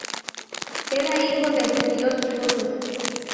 Era hijo de judíos rusos.